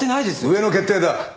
上の決定だ。